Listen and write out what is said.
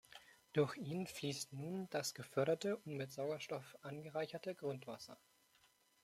Durch ihn fließt nun das geförderte und mit Sauerstoff angereicherte Grundwasser.